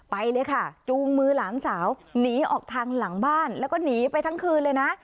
ไปเลยค่ะจูงมือหลานสาวหนีออกทางหลังบ้านแล้วก็หนีไปทั้งคืนเลยนะ